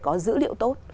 có dữ liệu tốt